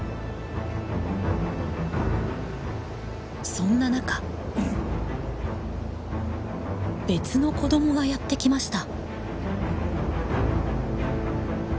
そんな中別の子どもがやって来ました。